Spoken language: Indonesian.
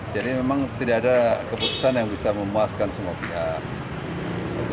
jadi memang tidak ada keputusan yang bisa memuaskan semua pihak